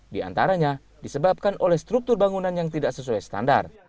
diantaranya disebabkan oleh struktur bangunan yang tidak sesuai standar